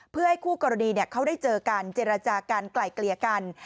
เพื่อให้คู่กรณีเขาได้เจอกันเจรจากันไกลเกลี่ยกัน